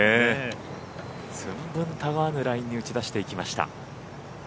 寸分たがわぬラインに打ち出してきました。